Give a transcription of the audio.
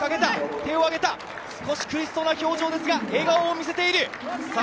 手を上げた、少し苦しそうな表情ですが笑顔を見せている。